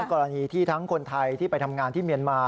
กรณีที่ทั้งคนไทยที่ไปทำงานที่เมียนมา